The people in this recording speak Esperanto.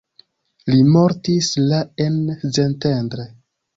Li mortis la en Szentendre.